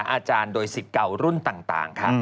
อาจารย์โดยสิทธิ์เก่ารุ่นต่างค่ะ